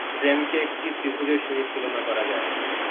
প্রেমকে একটি ত্রিভুজের সহিত তুলনা করা যায়।